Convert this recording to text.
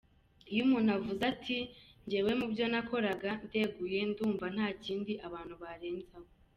Iyo umuntu avuze ati ‘njyewe mu byo nakoraga ndeguye’ ndumva nta kindi abantu barenzaho.